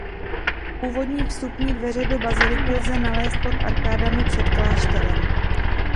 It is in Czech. Původní vstupní dveře do baziliky lze nalézt pod arkádami před klášterem.